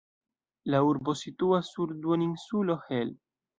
La urbo situas sur duoninsulo Hel.